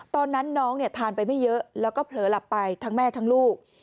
ตอนนั้นน้องเนี่ยทานไปไม่เยอะแล้วก็เผลอหลับไปทั้งแม่ทั้งลูก